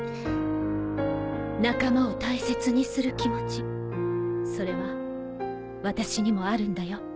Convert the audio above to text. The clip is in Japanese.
仲間を大切にする気持ちそれは私にもあるんだよ